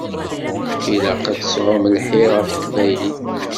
Ilaq ad tesɛum lḥir ɣef teqbaylit.